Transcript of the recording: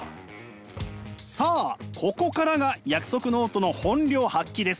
さあここからが約束ノートの本領発揮です。